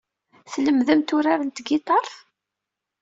Tlemdemt urar n tgitart?